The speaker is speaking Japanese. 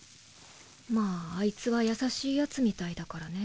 まぁあいつは優しいヤツみたいだからね。